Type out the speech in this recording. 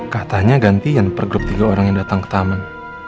katanya gantian pergrup tiga orang yang datang ke taman